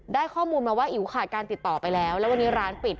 ได้ข้อมูลมาว่าอิ๋วขาดการติดต่อไปแล้วแล้ววันนี้ร้านปิด